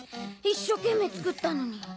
一生懸命作ったのに